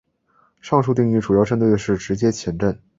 上述定义主要针对的是直接前震。